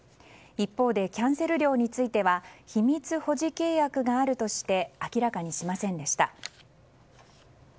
一方でキャンセル料については秘密保持契約があるとして明らかにしませんでした。